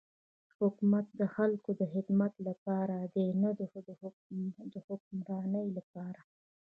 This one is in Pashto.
حکومت د خلکو د خدمت لپاره دی نه د حکمرانی لپاره.